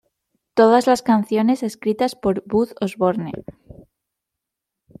Todas las canciones escritas por Buzz Osborne.